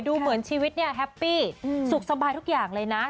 ดูเหมือนชีวิตเนี่ยแฮปปี้สุขสบายทุกอย่างเลยนะ